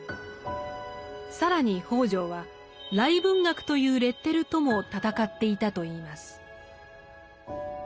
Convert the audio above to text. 更に北條は「癩文学」というレッテルとも戦っていたといいます。